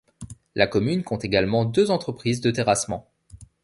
La commune compte également deux entreprises de terrassement.